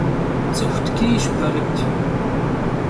Ts'ıxu tç'iyş Perıt.